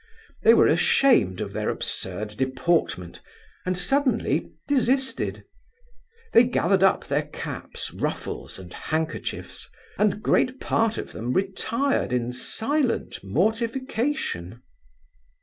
They were ashamed of their absurd deportment, and suddenly desisted. They gathered up their caps, ruffles, and handkerchiefs; and great part of them retired in silent mortification.